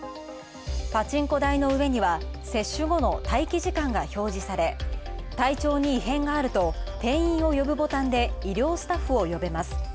パチンコ台のうえにいは接種後の待機時間が表示され、体調に異変があると店員を呼ぶボタンで医療スタッフを呼べます。